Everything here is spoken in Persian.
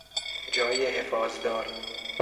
جای حفاظدار